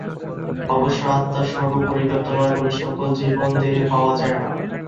অবশ্য আত্মা সর্ব পরিব্যাপ্ত নয় বলে সকল জীবনদেহে পাওয়া যায় না।